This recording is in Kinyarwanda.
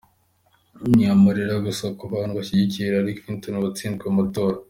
Ni amarira gusa ku bantu bashyigikiye Hillary Clinton watsinzwe amatora.